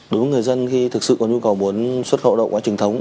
đối với người dân khi thực sự có nhu cầu muốn xuất hậu đậu quá trình thống